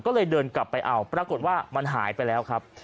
ก็เลยเดินกลับไปเอาปรากฏว่ามันหายไปแล้วครับ